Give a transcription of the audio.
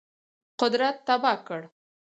قدرت تباه کړ.